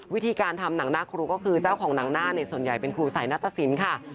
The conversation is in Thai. วิธีการทำหนังหน้าครูก็คือเจ้าของหนังหน้าส่วนใหญ่เป็นครูสายนัตตสินค่ะ